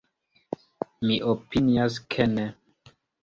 Mi opinias ke ne.